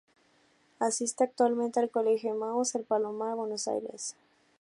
Asiste actualmente al Colegio Emaús de El Palomar, Buenos Aires.